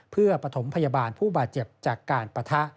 เพื่อปฐมพยาบาลผู้บาดเจ็บจากการปะทะ